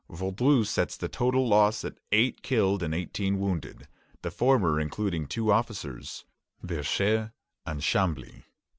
Vaudreuil sets their total loss at eight killed and eighteen wounded, the former including two officers, Verchères and Chambly.